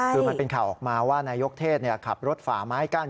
คือมันเป็นข่าวออกมาว่านายกเทศขับรถฝ่าไม้กั้น